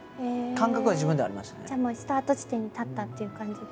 じゃあスタート地点に立ったっていう感じで？